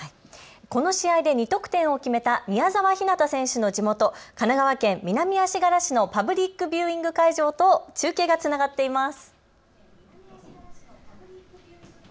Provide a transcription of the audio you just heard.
この試合で２得点を決めた宮澤ひなた選手の地元、神奈川県南足柄市のパブリックビューイング会場と中継がつながっています。